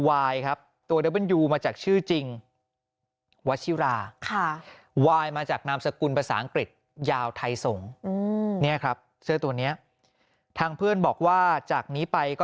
หยุดหยุดหยุดหยุดหยุดหยุดหยุดหยุดหยุดหยุด